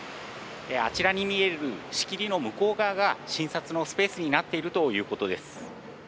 あちらに見える仕切りの向こう側が診察のスペースになっているということです。